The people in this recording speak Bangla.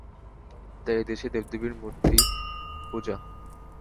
তাই এদেশে এত দেবদেবীমূর্তির পূজা।